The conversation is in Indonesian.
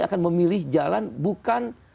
akan memilih jalan bukan